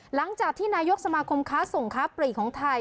หลังจากที่นายกสมาคมค้าส่งค้าปลีกของไทย